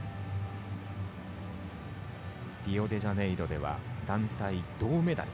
リオデジャネイロでは団体銅メダル。